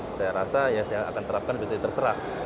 saya rasa ya saya akan terapkan terserah